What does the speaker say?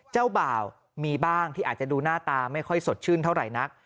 เจ้าบ่าวมีบ้างที่อาจจะดูหน้าตาไม่ค่อยสดชื่นเท่าไหร่นัก